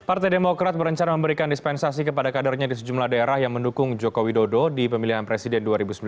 partai demokrat berencana memberikan dispensasi kepada kadernya di sejumlah daerah yang mendukung jokowi dodo di pemilihan presiden dua ribu sembilan belas